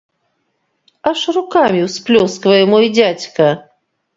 Аж рукамі ўсплёсквае мой дзядзька.